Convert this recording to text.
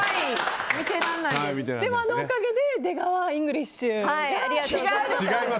でもあのおかげで出川イングリッシュが。